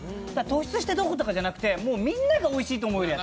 突出してどうこうじゃなくてみんながおいしいと思う。